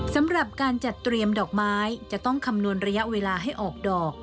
สำหรับการจัดเตรียมดอกไม้จะต้องคำนวณระยะเวลาให้ออกดอก